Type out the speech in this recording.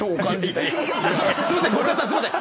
すいません！